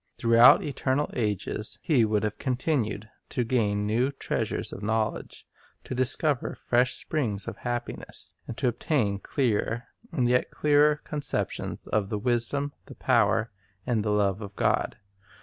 Throughout eternal ages he would have continued to gain new treasures of knowledge, to dis cover fresh springs of happiness, and to obtain clearer and yet clearer conceptions of the wisdom, the power, and the love of God.